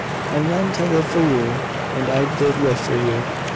And then to live for you! And I did live for you.